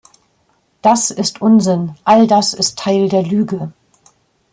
Das ist Unsinn, all das ist Teil der Lüge.